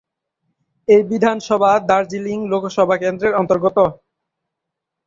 এই বিধানসভা দার্জিলিং লোকসভা কেন্দ্রের অন্তর্গত।